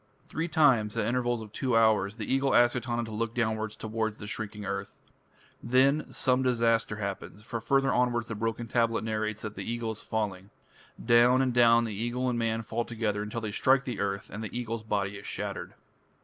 Three times, at intervals of two hours, the Eagle asks Etana to look downwards towards the shrinking earth. Then some disaster happens, for further onwards the broken tablet narrates that the Eagle is falling. Down and down eagle and man fall together until they strike the earth, and the Eagle's body is shattered.